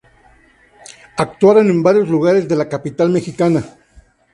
Actuaron en varios lugares de la capital mexicana.